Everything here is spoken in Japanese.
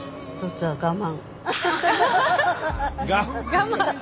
我慢。